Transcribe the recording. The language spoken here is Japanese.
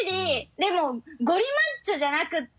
でもゴリマッチョじゃなくって。